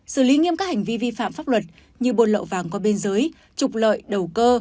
xử lý nghiêm các hành vi vi phạm pháp luật như bồn lộ vàng qua bên dưới trục lợi đầu cơ